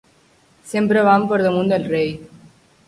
Sempre van per damunt del rei.